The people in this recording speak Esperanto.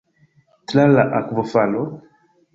Tra la akvofalo?